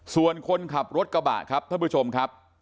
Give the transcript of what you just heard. ส่วนคนขับรถกระบะครับท่านผู้ชมครับ